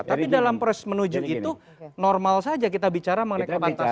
tapi dalam proses menuju itu normal saja kita bicara mengenai komentarian